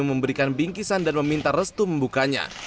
memberikan bingkisan dan meminta restu membukanya